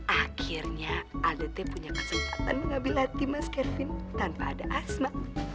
akhirnya aldete punya kesempatan mengambil hati mas kevin tanpa ada asma